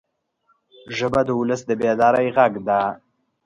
ژبه د ولس د بیدارۍ غږ ده